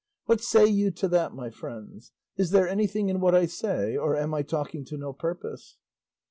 What say you to that, my friends? Is there anything in what I say, or am I talking to no purpose?"